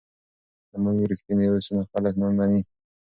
که موږ رښتیني اوسو نو خلک مو مني.